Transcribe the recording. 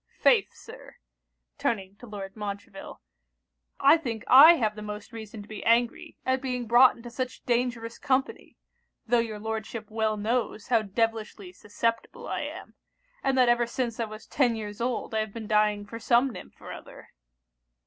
Faith, Sir,' (turning to Lord Montreville,) 'I think I have the most reason to be angry at being brought into such dangerous company; tho' your Lordship well knows how devilishly susceptible I am, and that ever since I was ten years old I have been dying for some nymph or other.'